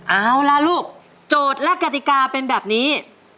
เอาล่ะลูกโจทย์และกติกาเป็นแบบนี้